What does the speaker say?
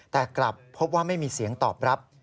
แต่กลับพบว่าไม่มีเสียงตอบรับ